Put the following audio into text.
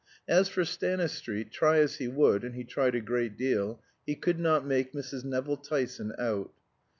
As for Stanistreet, try as he would (and he tried a great deal), he could not make Mrs. Nevill Tyson out.